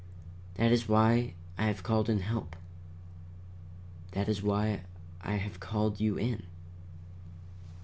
That is why I have called in help. That is why I have called you in."